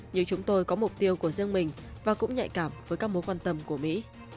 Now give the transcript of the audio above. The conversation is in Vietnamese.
nhưng chúng tôi có mục tiêu của riêng mình và cũng nhạy cảm với các mối quan tâm của mỹ